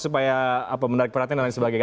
supaya menarik perhatian dan lain sebagainya